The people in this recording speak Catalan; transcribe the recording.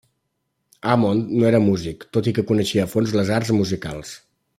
Hammond no era músic, tot i que coneixia a fons les arts musicals.